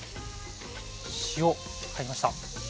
塩入りました。